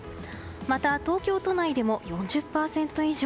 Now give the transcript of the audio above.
また、東京都内でも４０％以上。